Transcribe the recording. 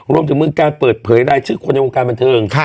รวมถึงเมืองการเปิดเผยรายชื่อคนในวงการบันเทิง